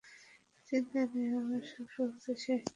চিন্তা নেই, আমার সব শক্তি শেষ।